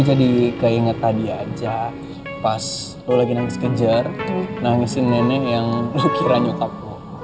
jadi keinget tadi aja pas lo lagi nangis kejar nangisin nenek yang lo kira nyokap lo